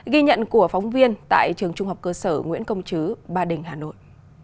ghi nhận của phóng viên tại trường trung học cơ sở nguyễn công chứ ba đình hà nội